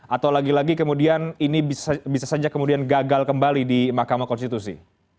atau lagi lagi kemudian ini bisa saja kemudian gagal kembali di mahkamah konstitusi